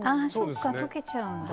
そっか溶けちゃうんだ。